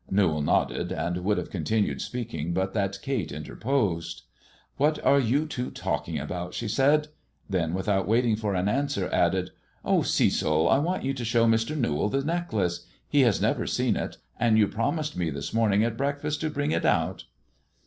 Newall nodded, and would have continued speaking but that Kate interposed. " What are you two talking about ]" she said ; tben, without waiting for an answer, added, Oh, Cecil, I want you to show Mr. Kewall the necklace. He has never seen it, and you promised me this morning at breakfast to bring it out."